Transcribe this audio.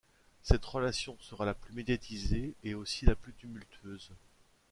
Cette relation sera la plus médiatisée et aussi la plus tumultueuse.